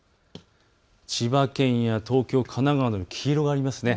千葉県や東京、神奈川、黄色がありますね。